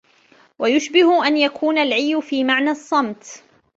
وَيُشْبِهُ أَنْ يَكُونَ الْعِيُّ فِي مَعْنَى الصَّمْتِ